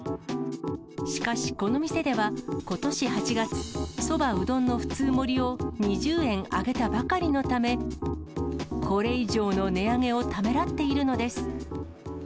しかしこの店では、ことし８月、そば、うどんの普通盛を２０円上げたばかりのため、これ以上の値上げをためらっているのです。